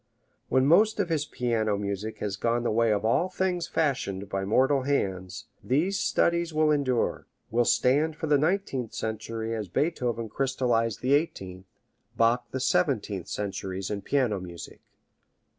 When most of his piano music has gone the way of all things fashioned by mortal hands, these studies will endure, will stand for the nineteenth century as Beethoven crystallized the eighteenth, Bach the seventeenth centuries in piano music.